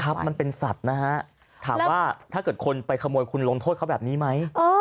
มันเป็นสัตว์นะฮะถามว่าถ้าเกิดคนไปขโมยคุณลงโทษเขาแบบนี้ไหม